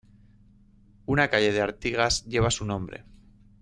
Una calle de Artigas lleva su nombre.